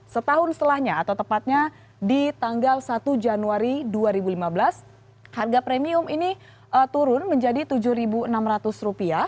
setahun setelahnya atau tepatnya di tanggal satu januari dua ribu lima belas harga premium ini turun menjadi rp tujuh enam ratus